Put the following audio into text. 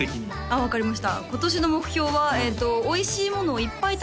分かりました